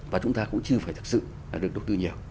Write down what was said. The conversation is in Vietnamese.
và chúng ta cũng chưa phải thực sự được đầu tư nhiều